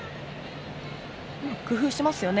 工夫してますよね。